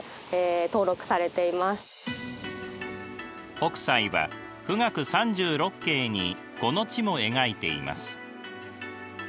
北斎は「富嶽三十六景」にこの地も描いています。